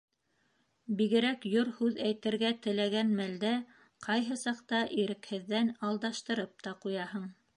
Бигерәк йор һүҙ әйтергә теләгән мәлдә, ҡайһы саҡта ирекһеҙҙән алдаштырып та ҡуяһың.